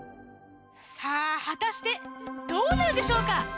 さあはたしてどうなるでしょうか？